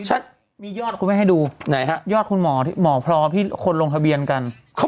อันนี้มียอดคุณแม่ให้ดูยอดคุณหมอพลที่คนลงทะเบียนกันไหนครับ